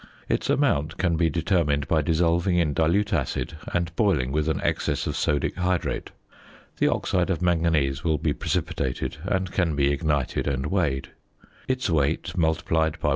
Its amount can be determined by dissolving in dilute acid and boiling with an excess of sodic hydrate. The oxide of manganese will be precipitated, and can be ignited and weighed. Its weight multiplied by 1.